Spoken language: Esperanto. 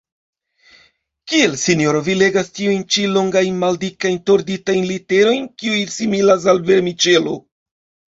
Kiel, sinjoro, vi legas tiujn ĉi longajn, maldikajn torditajn literojn kiuj similas al vermiĉelo?